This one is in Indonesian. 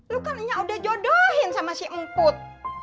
lu kan ini udah jodohin sama si emput